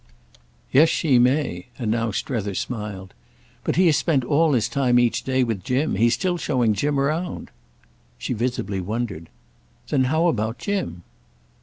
"Yes, she may"—and now Strether smiled. "But he has spent all his time each day with Jim. He's still showing Jim round." She visibly wondered. "Then how about Jim?"